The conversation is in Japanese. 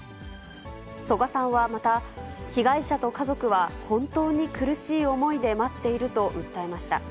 曽我さんはまた、被害者と家族は本当に苦しい思いで待っていると訴えました。